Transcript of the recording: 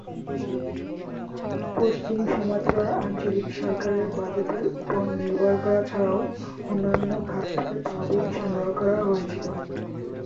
পশ্চিম সুমাত্রার আঞ্চলিক সরকারের বাজেটের উপর নির্ভর করা ছাড়াও অন্যান্য খাত থেকে তহবিল সংগ্রহ করা হয়ে ছিল।